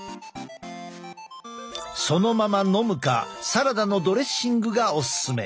そのまま飲むかサラダのドレッシングがオススメ。